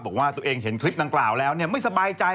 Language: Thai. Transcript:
บอกว่าตัวเองเห็นคลิปนางกล่าวแล้วเนี่ยไม่สบายใจเลยก็โกรธมากเลย